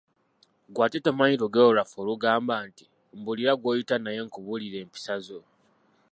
Ggwe ate tomanyi lugero lwaffe olugamba nti , "Mbuulira gw'oyita naye nkubuulire empisa zo?